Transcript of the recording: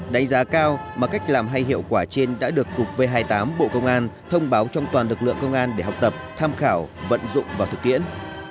đánh giá cao mà cách làm hay hiệu quả trên đã được cục v hai mươi tám bộ công an thông báo trong toàn lực lượng công an để học tập tham khảo vận dụng vào thực tiễn